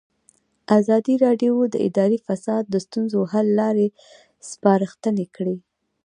ازادي راډیو د اداري فساد د ستونزو حل لارې سپارښتنې کړي.